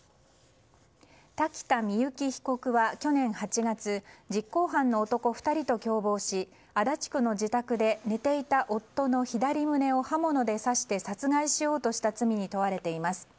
滝田深雪被告は去年８月実行犯の男２人と共謀し足立区の自宅で寝ていた夫の左胸を刃物で刺して殺害しようとした罪に問われています。